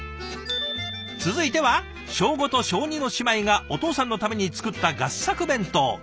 続いては小５と小２の姉妹がお父さんのために作った合作弁当。